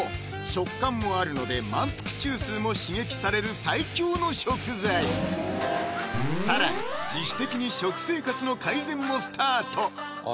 食感もあるので満腹中枢も刺激される最強の食材更に自主的に食生活の改善もスタート